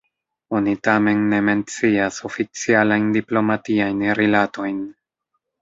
Oni tamen ne mencias oficialajn diplomatiajn rilatojn.